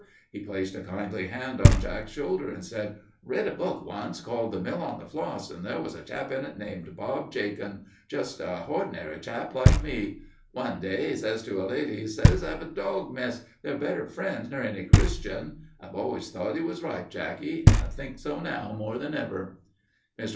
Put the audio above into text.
He placed a kindly hand on Jack's shoulder and said, "I read a book once called 'The Mill on the Floss,' and there was a chap in it named Bob Jakin just a hordinary chap like me. One day 'e says to a lady, 'e says, 'Hev a dog, Miss. They're better friends nor any Christian.' I've always thought 'e was right, Jacky, and I think so now more than ever." Mr.